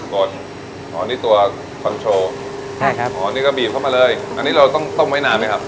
ก่อนอ๋อนี่ตัวคอนโทรใช่ครับอ๋อนี่ก็บีบเข้ามาเลยอันนี้เราต้องต้มไว้นานไหมครับ